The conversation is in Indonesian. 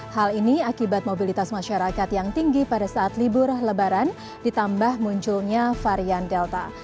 hal ini akibat mobilitas masyarakat yang tinggi pada saat libur lebaran ditambah munculnya varian delta